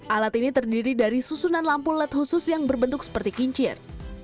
alat ini terdiri dari susunan lampu led khusus yang berbentuk seperti kincir